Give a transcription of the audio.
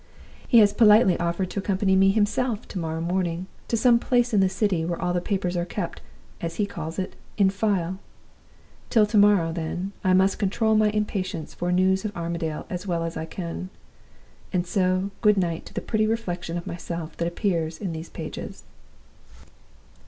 He has politely offered to accompany me himself to morrow morning to some place in the City where all the papers are kept, as he calls it, in file. Till to morrow, then, I must control my impatience for news of Armadale as well as I can. And so good night to the pretty reflection of myself that appears in these pages!"